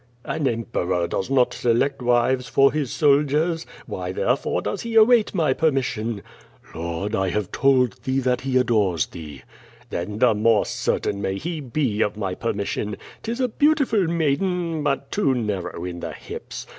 '^ "An Emperor does not select wives for his soldiera. Why, therefore, aoes he await my permission?" "Loid^ I have told thee thiat he adores thee.'' QUO VADff^. 303 "Then the more certain may he l>e of my permission. 'Tis a beautiful maiden, but too narrow in the hips.